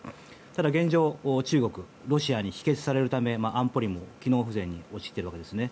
ただ現状、中国やロシアに否決されるため安保理も、機能不全に陥っているわけですね。